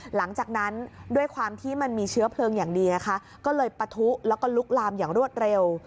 หลังจากนั้นด้วยความที่มันมีเชื้อเพลิงอย่างดีนะคะก็เลยปะทุแล้วก็ลุกลามอย่างรวดเร็ว